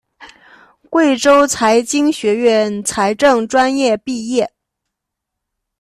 贵州财经学院财政专业毕业。